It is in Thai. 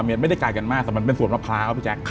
๑๐๑๐๐เมตรไม่ได้กายกันมากแต่มันเป็นส่วนมะพร้าวะพี่แจ๊ก